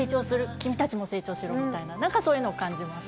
君たちも成長しろみたいな、そんなのは感じます。